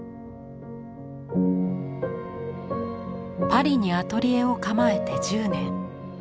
パリにアトリエを構えて１０年。